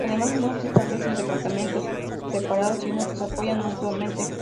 Además, no se establecen departamentos separados sino que se apoyan mutuamente.